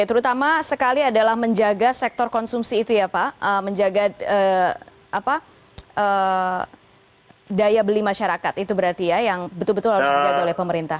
terutama sekali adalah menjaga sektor konsumsi itu ya pak menjaga daya beli masyarakat itu berarti ya yang betul betul harus dijaga oleh pemerintah